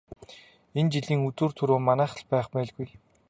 Энэ жилийн үзүүр түрүү манайх л байх байлгүй.